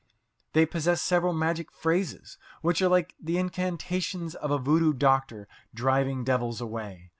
They possess several magic phrases, which are like the incantations of a voodoo doctor driving devils away.